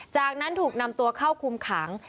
จากนั้นถูกนำตัวเข้าคุมขัง